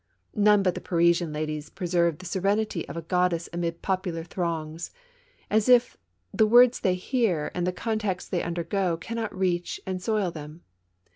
None but the Parisianladies preserve the serenity of a goddess amid popular throngs, as if the words they hear and the contacts they undergo cannot reach and soil them.